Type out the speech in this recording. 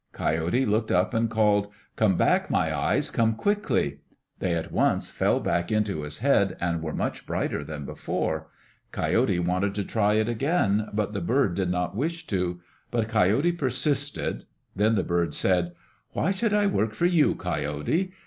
Coyote looked up and called, "Come back, my eyes. Come quickly." They at once fell back into his head and were much brighter than before. Coyote wanted to try it again, but the bird did not wish to. But Coyote persisted. Then the bird said, "Why should I work for you, Coyote?